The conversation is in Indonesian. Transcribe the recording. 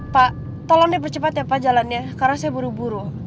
pa tolong deh percepat ya pa jalannya karna saya buru buru